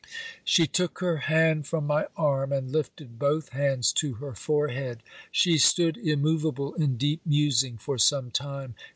She took her hand from my arm, and lifted both hands to her forehead. She stood immoveable in deep musing for some time.